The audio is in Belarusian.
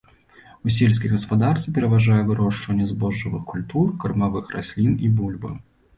У сельскай гаспадарцы пераважае вырошчванне збожжавых культур, кармавых раслін і бульбы.